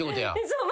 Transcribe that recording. そう。